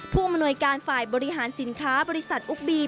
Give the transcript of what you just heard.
ผู้อำนวยการฝ่ายบริหารสินค้าบริษัทอุ๊บบี